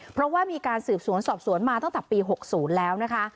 เพราะว่ามีการสืบสวนสอบสวนมาตั้งแต่ปี๖๐แล้วนะคะ